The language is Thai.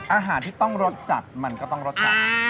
อาหารที่ต้องรสจัดมันก็ต้องรสจัด